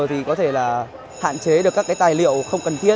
thì có thể là hạn chế được các cái tài liệu không cần thiết